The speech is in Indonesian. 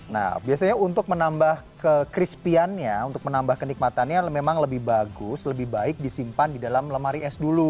nah biasanya untuk menambah ke crispiannya untuk menambah kenikmatannya memang lebih bagus lebih baik disimpan di dalam lemari es dulu